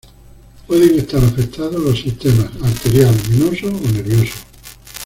Pueden estar afectados los sistemas arterial, venoso o nervioso.